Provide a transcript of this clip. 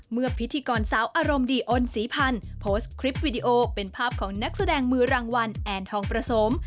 พิธีกรสาวอารมณ์ดีอนศรีพันธ์โพสต์คลิปวิดีโอเป็นภาพของนักแสดงมือรางวัลแอนทองประสม